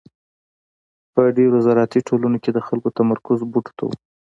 په ډېرو زراعتي ټولنو کې د خلکو تمرکز بوټو ته و.